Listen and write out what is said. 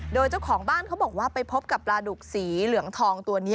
โดยเจ้าของบ้านเขาบอกว่าไปพบกับปลาดุกสีเหลืองทองตัวนี้